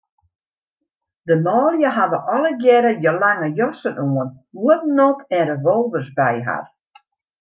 De manlju hawwe allegearre lange jassen oan, huodden op en revolvers by har.